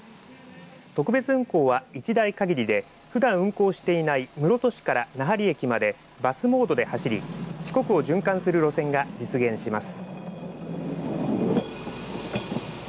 特別運行は１台限りでふだん運行していない室戸市から奈半利駅までバスモードで走り、四国を循環する路線が実現します。